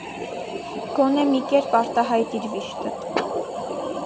Գոնե մի կերպ արտահայտիր վիշտդ: